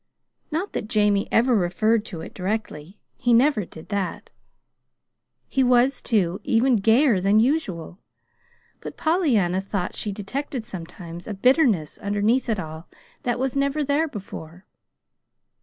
Not that Jamie ever referred to it directly. He never did that. He was, too, even gayer than usual; but Pollyanna thought she detected sometimes a bitterness underneath it all that was never there before.